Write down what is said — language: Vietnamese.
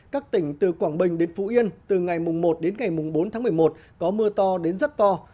các tỉnh từ quảng bình đến phú yên từ ngày một đến ngày bốn tháng một mươi một có mưa to đến rất to